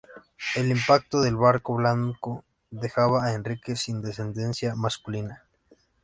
El impacto del "Barco Blanco" dejaba a Enrique sin descendencia masculina.